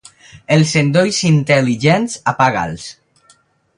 Els endolls intel·ligents, apaga'ls.